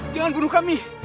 jangan bunuh kami